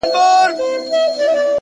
خير سجده به وکړم تاته- خير دی ستا به سم-